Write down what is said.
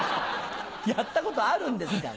やったことあるんですか？